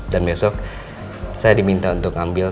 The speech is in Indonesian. dan besok saya diminta untuk ambil